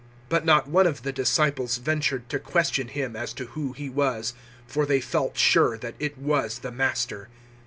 But not one of the disciples ventured to question Him as to who He was, for they felt sure that it was the Master.